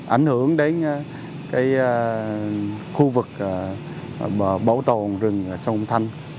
ảnh hưởng đến khu vực bảo tồn rừng sông thanh